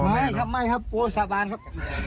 ไม่ครับไม่ครับกลัวสาบานครับ